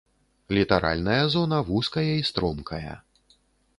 Літаральная зона вузкая і стромкая.